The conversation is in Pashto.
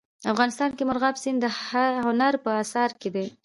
افغانستان کې مورغاب سیند د هنر په اثار کې دی.